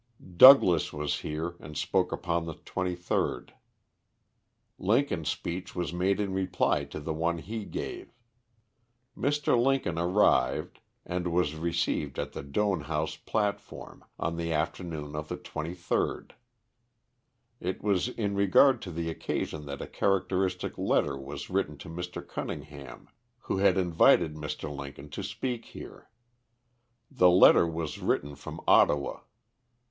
Douglas was here, and spoke upon the 23rd. Lincoln's speech was made in reply to the one he gave. Mr. Lincoln arrived, and was received at the Doane House platform, on the afternoon of the 23rd. It was in regard to the occasion that a characteristic letter was written to Mr. Cunningham, who had invited Mr. Lincoln to speak here. The letter was written from Ottawa.